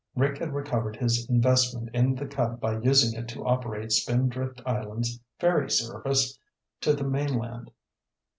Rick had recovered his investment in the Cub by using it to operate Spindrift Island's ferry service to the mainland.